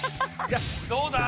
どうだ？